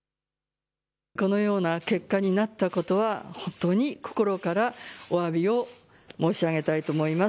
このような結果になったことは本当に心からおわびを申し上げたいと思います。